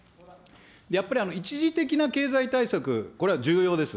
やっぱり一時的な経済対策、これは重要です。